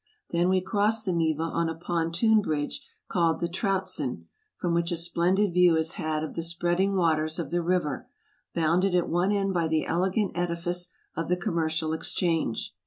Then we cross the Neva on a pontoon bridge, called the Troutsen, from which a splendid view is had of the spreading waters of the river — bounded at one end by the elegant edifice of the Commercial Exchange.